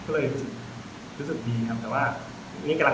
รู้สึกดีครับ